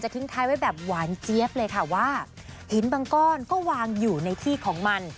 ทิ้งท้ายไว้แบบหวานเจี๊ยบเลยค่ะว่าหินบางก้อนก็วางอยู่ในที่ของมัน